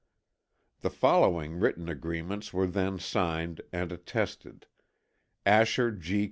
The following written agreements were then signed and attested: Asher G.